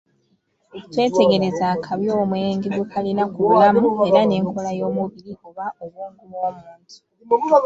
Twetegereze akabi omwenge gwe kalina ku bulamu era n'enkola y'omubiri oba obwongo bw'omuntu.